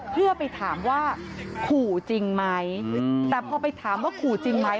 เพื่อไปถามว่าขู่จริงไหมแต่พอไปถามว่าขู่จริงไหม